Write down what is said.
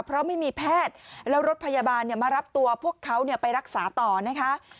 เพราะไม่มีแพทย์แล้วรถพยาบาลมารับตัวพวกเขาไปรักษาต่อนะคะ